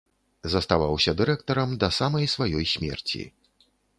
Заставаўся дырэктарам да самай сваёй смерці.